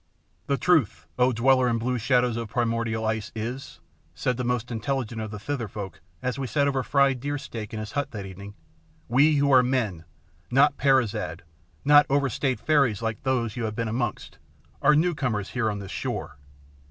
"The truth, O dweller in blue shadows of primordial ice, is," said the most intelligent of the Thither folk as we sat over fried deer steak in his hut that evening, "we who are MEN, not Peri zad, not overstayed fairies like those you have been amongst, are newcomers here on this shore.